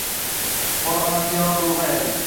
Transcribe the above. Bola onasi yonida ulg‘ayadi